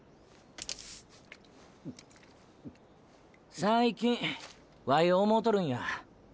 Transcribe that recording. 最近ワイ思うとるんや。